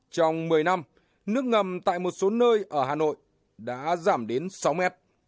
trong một mươi năm nước ngầm tại một số nơi ở hà nội đã giảm đến sáu mét